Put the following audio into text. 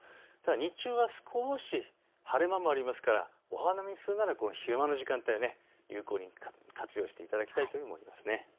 日中は少し晴れ間もありますからお花見をするなら昼間の時間帯、有効に活用していただきたいと思います。